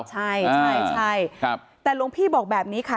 ใช่ใช่แต่หลวงพี่บอกแบบนี้ค่ะ